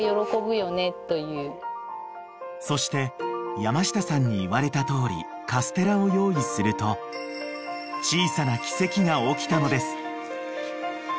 ［そして山下さんに言われたとおりカステラを用意すると小さな奇跡が起きたのです］